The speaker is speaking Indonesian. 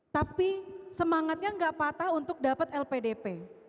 tapi semangatnya gak patah untuk dapat lpdp